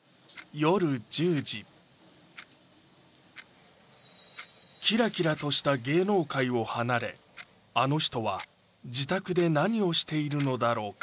夜１０時キラキラとした芸能界を離れあの人は自宅で何をしているのだろうか？